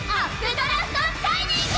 ドラフト・シャイニング！